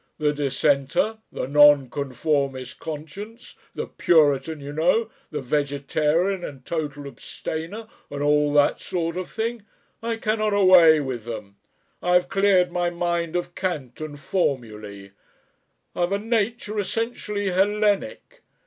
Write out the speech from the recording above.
"The Dissenter, the Nonconformist Conscience, the Puritan, you know, the Vegetarian and Total Abstainer, and all that sort of thing, I cannot away with them. I have cleared my mind of cant and formulae. I've a nature essentially Hellenic.